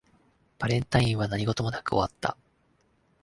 バレンタインは何事もなく終わった